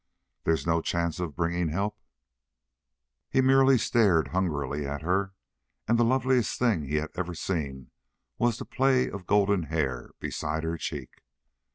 "There's no chance of bringing help?" He merely stared hungrily at her, and the loveliest thing he had ever seen was the play of golden hair beside her cheek.